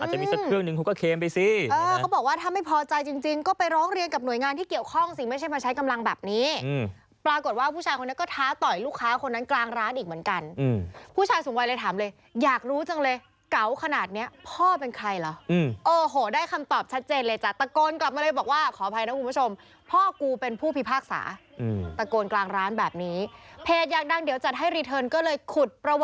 อืมอืมอืมอืมอืมอืมอืมอืมอืมอืมอืมอืมอืมอืมอืมอืมอืมอืมอืมอืมอืมอืมอืมอืมอืมอืมอืมอืมอืมอืมอืมอืมอืมอืมอืมอืมอืมอืมอืมอืมอืมอืมอืมอืมอ